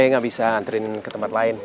saya nggak bisa nganterin ke tempat lain